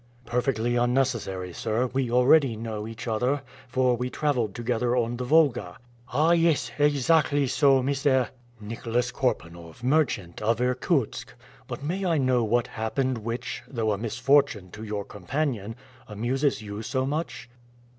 "Perfectly unnecessary, sir; we already know each other, for we traveled together on the Volga." "Ah, yes! exactly so! Mr. " "Nicholas Korpanoff, merchant, of Irkutsk. But may I know what has happened which, though a misfortune to your companion, amuses you so much?"